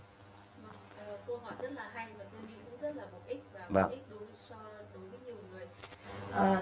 câu hỏi rất là hay và tôi nghĩ cũng rất là mục ích và mục ích đối với nhiều người